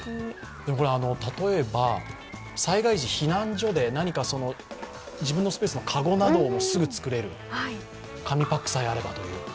例えば災害時、避難情報で何か自分のスペースの籠などもすぐ作れる、紙パックさえあればという。